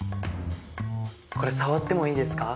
これ触ってもいいですか？